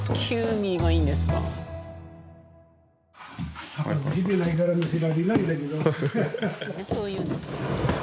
みんなそう言うんですよ。